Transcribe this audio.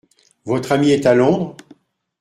Votre ami est à Londres ?